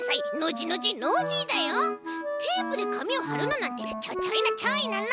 テープでかみをはるのなんてちょちょいのちょいなの！